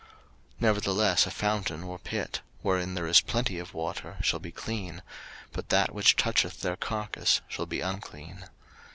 03:011:036 Nevertheless a fountain or pit, wherein there is plenty of water, shall be clean: but that which toucheth their carcase shall be unclean.